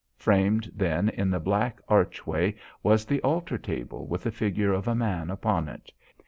Framed then in the black archway was the altar table with the figure of a man upon it.